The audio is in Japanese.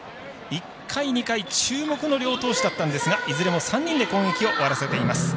１回、２回注目の両投手だったんですがいずれも３人で攻撃を終わらせています。